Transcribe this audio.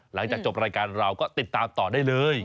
หลังจากจบรายการเราก็ติดตามต่อได้เลย